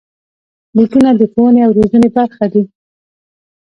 بوټونه د ښوونې او روزنې برخه دي.